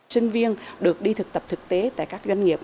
sinh viên được đi thực tập thực tế tại các doanh nghiệp